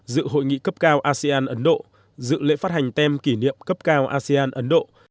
dự hội nghị cấp cao asean ấn độ dự lễ phát hành tem kỷ niệm cấp cao asean ấn độ